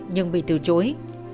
nhưng bị từ chối